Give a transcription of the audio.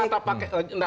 pakai kata pakai